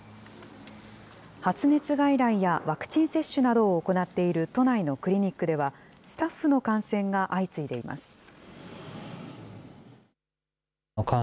発熱外来やワクチン接種などを行っている都内のクリニックでは、スタッフの感染が相次いでいます。